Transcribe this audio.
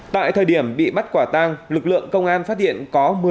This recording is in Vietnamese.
tại thời điểm bị bắt quả tang lực lượng công an phát hiện có một mươi bảy